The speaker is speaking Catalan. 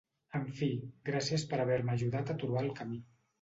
En fi, gràcies per haver-me ajudat a trobar el camí.